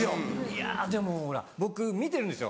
いやでもほら僕見てるんですよ。